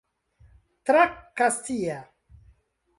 Tra Kastia.